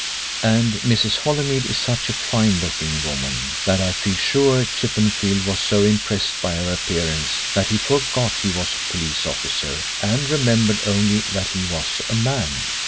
And Mrs. Holymead is such a fine looking woman that I feel sure Chippenfield was so impressed by her appearance that he forgot he was a police officer and remembered only that he was a man.